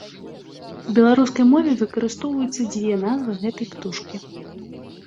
У беларускай мове выкарыстоўваюцца дзве назвы гэтай птушкі.